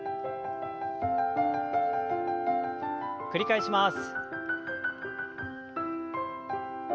繰り返します。